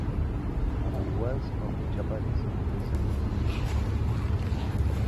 He was of Japanese descent.